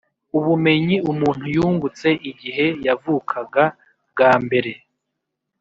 ubumenyi umuntu yungutse igihe yavukaga bwa mbere